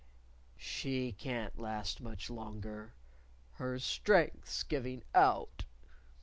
"She can't last much longer! Her strength's giving out."